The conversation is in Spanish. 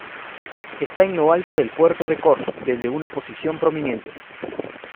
Esta en lo alto del puerto de Cork desde una posición prominente.